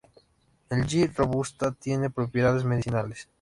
El "G. robusta" tiene propiedades medicinales.